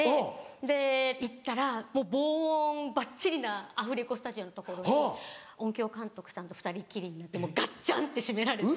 で行ったらもう防音ばっちりなアフレコスタジオのところに音響監督さんと２人きりガッチャン！って閉められて。